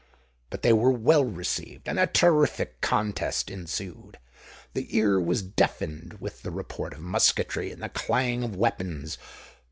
But they were well received; and a terrific contest ensued. The ear was deafened with the report of musketry and the clang of weapons.